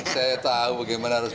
saya tahu bagaimana harus